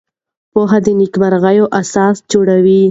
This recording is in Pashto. پوهه د نېکمرغۍ اساس جوړوي.